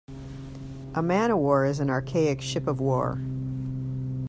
A Man o’ War is an archaic ship of war.